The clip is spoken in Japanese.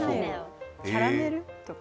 キャラメル？とか。